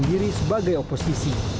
diri sebagai oposisi